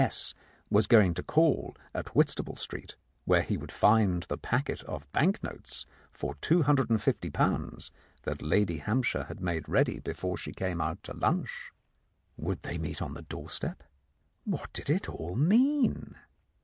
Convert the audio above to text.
S. was going to call at Whitstaple Street, where he would find the packet of bank notes for ,£250 that Lady Hampshire had made ready before she came out to lunch. Would they meet on the doorstep ? What did it all mean